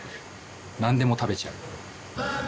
何でも食べちゃう！